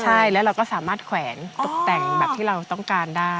ใช่แล้วเราก็สามารถแขวนตกแต่งแบบที่เราต้องการได้